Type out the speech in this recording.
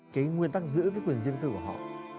cái nguyên tắc giữ cái quyền riêng tư của họ